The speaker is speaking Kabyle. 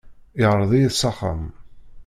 Iεreḍ-iyi s axxam.